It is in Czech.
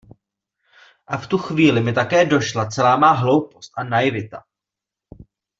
A v tu chvíli mi také došla celá má hloupost a naivita.